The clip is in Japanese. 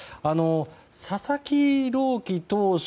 佐々木朗希投手